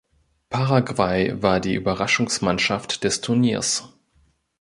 Paraguay war die Überraschungsmannschaft des Turniers.